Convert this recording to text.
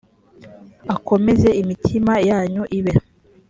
akomeze imitima yanyu ibe